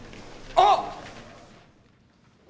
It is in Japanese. あっ！